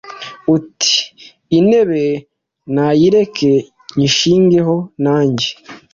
Uti "intebe nayirekeNyishingeho nanjye",